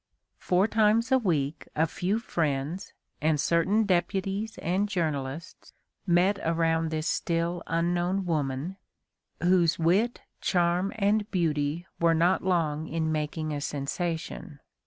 Four times a week a few friends, and certain deputies and journalists, met around this still unknown woman, whose wit, charm, and beauty were not long in making a sensation.